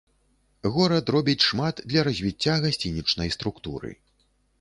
Горад робіць шмат для развіцця гасцінічнай структуры.